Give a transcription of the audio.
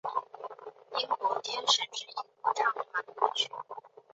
英国天使之翼合唱团谱曲。